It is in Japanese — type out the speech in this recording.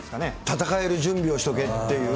戦える準備をしとけっていう。